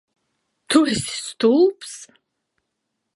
Tu esi stulbs?